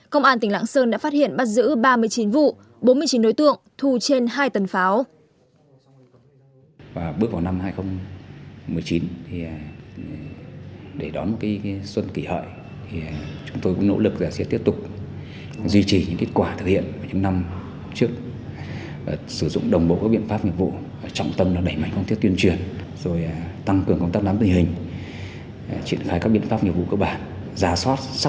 công an tỉnh lạng sơn đã phát hiện bắt giữ ba mươi chín vụ bốn mươi chín đối tượng thu trên hai tầng pháo